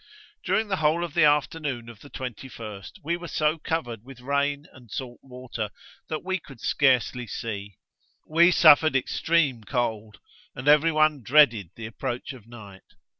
'During the whole of the afternoon of the 21st we were so covered with rain and salt water, that we could scarcely see. We suffered extreme cold, and every one dreaded the approach of night.